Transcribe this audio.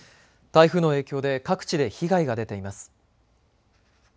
台風の影響で各地で被害が出ています。